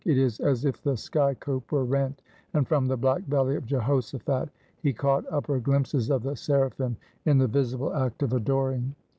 It is as if the sky cope were rent, and from the black valley of Jehoshaphat, he caught upper glimpses of the seraphim in the visible act of adoring.